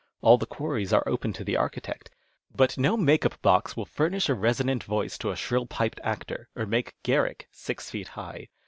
All the quarries are open to the architect. But no " make up " box will furnish a resonant voice to a shrill piped actor or make Garrick six feet high.